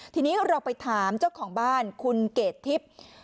ทีนี้เราไปถามเจ้าของบ้านคุณเกดทิพย์